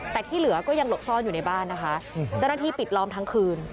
แต่ที่เหลือก็ยังหลบซ่อนอยู่ในบ้านนะคะเจ้าหน้าที่ปิดล้อมทั้งคืน